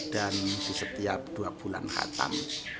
dan setiap dua bulan khatam